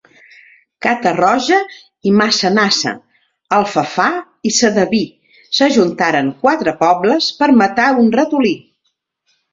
Catarroja i Massanassa, Alfafar i Sedaví; s'ajuntaren quatre pobles per matar un ratolí.